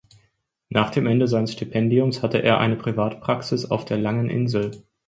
Nach dem Ende seins Stipendiums hatte er eine Privatpraxis auf der langen Insel.